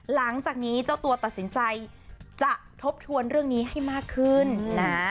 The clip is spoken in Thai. หลังจากนี้เจ้าตัวตัดสินใจจะทบทวนเรื่องนี้ให้มากขึ้นนะ